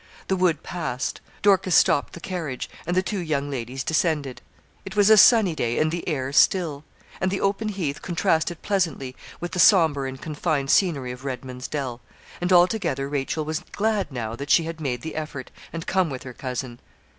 The wood passed, Dorcas stopped the carriage, and the two young ladies descended. It was a sunny day, and the air still; and the open heath contrasted pleasantly with the sombre and confined scenery of Redman's Dell; and altogether Rachel was glad now that she had made the effort, and come with her cousin.